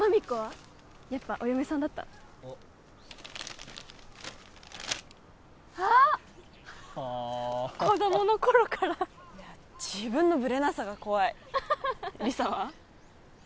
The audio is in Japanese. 子供の頃から自分のぶれなさが怖い理紗は？